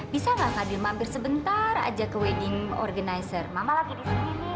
bisa nggak fadil mampir sebentar aja ke wedding organizer mama lagi di sini